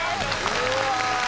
うわ！